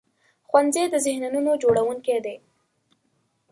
ښوونځی د ذهنونو جوړوونکی دی